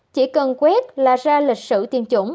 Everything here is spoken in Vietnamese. chỉ cần quét là ra lịch sử tiêm chủng